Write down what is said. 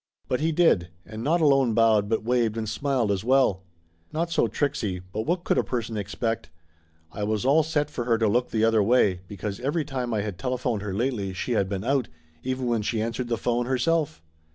But he did, and not alone bowed but waved and smiled as well. Not so Trixie, but what could a person expect ? I was all set for her to look the other way, because every time I had telephoned her lately she had been out, even when she answered the phone herself.